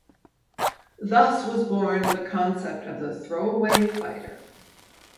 Thus was born the concept of the "throwaway fighter".